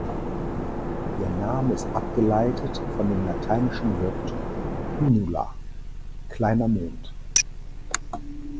Ihr Name ist abgeleitet von dem lateinischen Wort "lunula", ‚kleiner Mond‘.